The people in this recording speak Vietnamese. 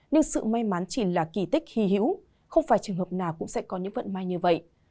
nhưng sự may mắn chỉ là kỳ tích hy hữu không phải trường hợp nào cũng sẽ có những vận may như vậy